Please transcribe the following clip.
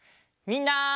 みんな！